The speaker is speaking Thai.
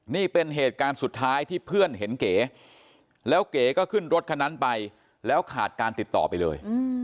นี่เป็นเหตุการณ์สุดท้ายที่เพื่อนเห็นเก๋แล้วเก๋ก็ขึ้นรถคันนั้นไปแล้วขาดการติดต่อไปเลย